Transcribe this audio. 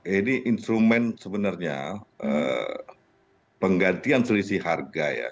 ini instrumen sebenarnya penggantian selisih harga ya